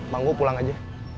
banggu pulang aja